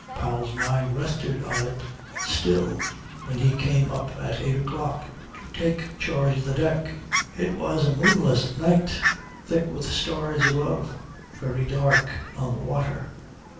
Powell's mind rested on it still when he came up at eight o'clock to take charge of the deck. It was a moonless night, thick with stars above, very dark on the water.